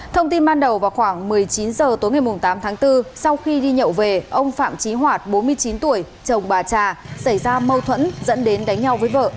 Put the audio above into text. thông tin ban đầu vào khoảng một mươi chín h tối ngày tám tháng bốn sau khi đi nhậu về ông phạm trí hoạt bốn mươi chín tuổi chồng bà trà xảy ra mâu thuẫn dẫn đến đánh nhau với vợ